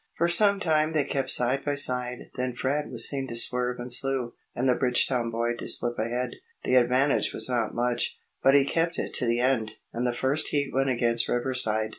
For some time they kept side by side. Then Fred was seen to swerve and slew, and the Bridgetown boy to slip ahead. The advantage was not much, but he kept it to the end, and the first heat went against Riverside.